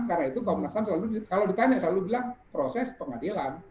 karena itu komnas ham selalu ditanya proses pengadilan